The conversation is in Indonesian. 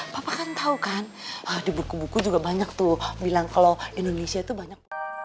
pa pa kan tau kan di buku buku juga banyak tuh bilang kalau di indonesia tuh banyak